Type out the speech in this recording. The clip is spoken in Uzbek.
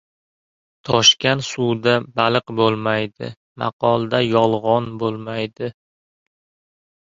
• Toshgan suvda baliq bo‘lmaydi, maqolda yolg‘on bo‘lmaydi.